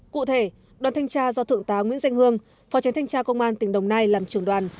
cụ thể đoàn thanh tra do thượng tá nguyễn danh hương phó tránh thanh tra công an tỉnh đồng nai làm trưởng đoàn